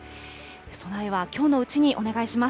備えはきょうのうちにお願いします。